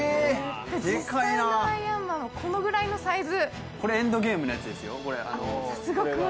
実際のアイアンマンはこのぐらいのサイズ。